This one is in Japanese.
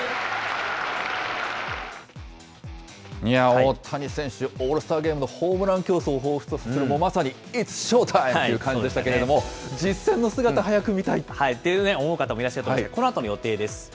大谷選手、オールスターゲームのホームラン競争をほうふつとさせる、まさにイッツ・ショータイムという感じでしたけれども、実戦の姿、早くというね、思う方もいらっしゃるかと思うんですけれども、このあとの予定です。